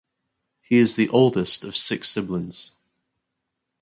He is the oldest of six siblings.